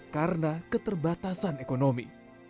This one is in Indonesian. karena keterbatasan ekonomi